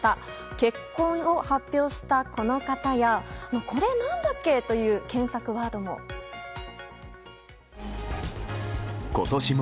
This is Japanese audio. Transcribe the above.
結婚を発表した、この方やこれ何だっけ？という検索ワードも。